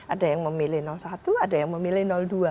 ada yang memilih satu ada yang memilih dua